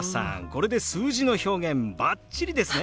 これで数字の表現バッチリですね！